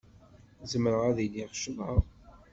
Zemreɣ ad iliɣ ccḍeɣ.